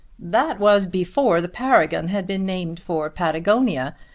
"That was before the Paragon had been named for Patagonia.